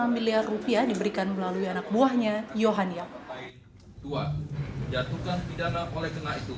lima miliar rupiah diberikan melalui anak buahnya yohan yang tua jatuhkan pidana oleh kena itu